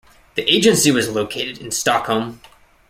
The agency was located in Stockholm.